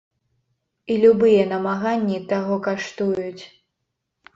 І любыя намаганні таго каштуюць.